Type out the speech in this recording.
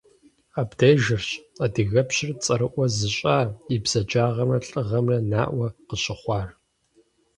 Абдежырщ адыгэпщыр цӏэрыӏуэ зыщӏа и бзаджагъэмрэ лӏыгъэмрэ наӏуэ къыщыхъуар.